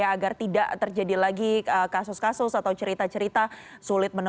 agar tidak terjadi lagi kasus kasus atau cerita cerita sulit